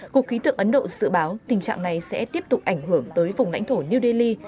cục khí tượng ấn độ dự báo tình trạng này sẽ tiếp tục ảnh hưởng tới vùng lãnh thổ new delhi